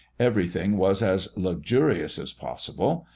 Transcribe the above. Everything was as luxurious as possible.